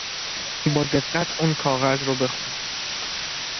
با دقت اون کاغذ رو بخون